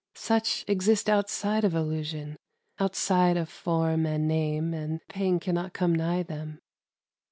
Such exist outside of illusion, — outside of form and name ; and pain cannot come nigh them.